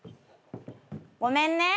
ごめんね。